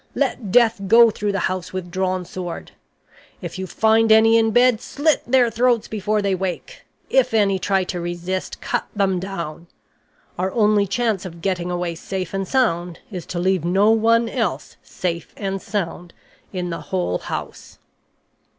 Let death go through the house with drawn sword! If you find any in bed, slit their throats before they wake; if any try to resist, cut them down. Our only chance of getting away safe and sound is to leave no one else safe and sound in the whole house.'